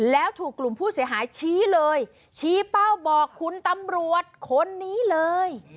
แล้วถูกกลุ่มผู้เสียหายชี้เลยชี้เป้าบอกคุณตำรวจคนนี้เลย